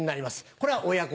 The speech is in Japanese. これは親心。